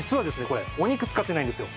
これお肉使ってないんですよ。